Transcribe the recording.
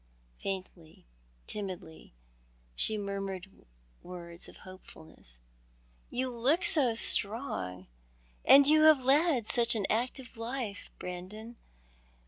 Faintly, timidly, she murmured words of hopefulness. " You look so strong, and you have led such an active life, Brandon.